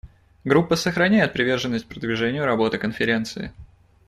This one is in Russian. Группа сохраняет приверженность продвижению работы Конференции.